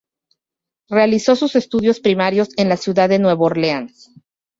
Realizó sus estudios primarios en la ciudad de Nueva Orleáns.